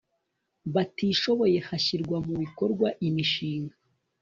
batishoboye hashyirwa mu bikorwa imishinga